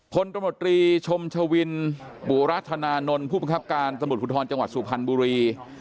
ผลตำรวจรีชมชวินบุรัฐนานนท์ผู้บังคับการสมุทรพุทธรจังหวัดสุพรรณบุรี